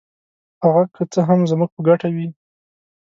هغه که څه هم زموږ په ګټه وي.